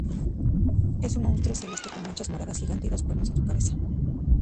Es un monstruo celeste, con manchas moradas, gigante y dos cuernos en su cabeza.